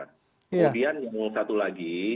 kemudian yang satu lagi